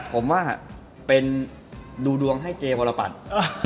ผมว่าเป็นดูดวงให้เจียวระบัติ